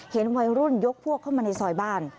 เห็นวัยรุ่นยกพวกเข้ามาในซอยบ้าน